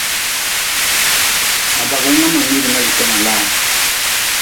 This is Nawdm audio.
Ma bagili na ma migi na bi kena laa.